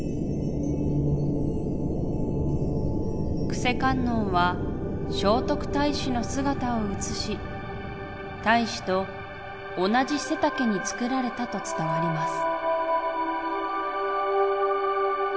「救世観音は聖徳太子の姿を写し太子と同じ背丈に作られたと伝わります」。